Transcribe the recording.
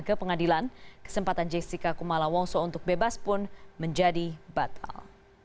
ke pengadilan kesempatan jessica kumala wongso untuk bebas pun menjadi batal